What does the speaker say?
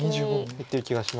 いってる気がします。